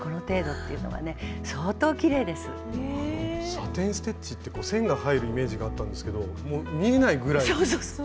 サテン・ステッチって線が入るイメージがあったんですけどもう見えないぐらいなんですよね。